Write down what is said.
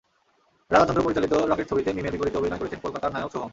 রাজা চন্দ পরিচালিত রকেট ছবিতে মিমের বিপরীতে অভিনয় করছেন কলকাতার নায়ক সোহম।